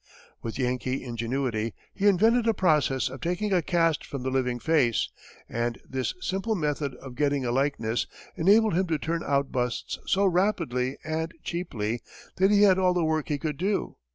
With Yankee ingenuity, he invented a process of taking a cast from the living face, and this simple method of getting a likeness enabled him to turn out busts so rapidly and cheaply that he had all the work he could do.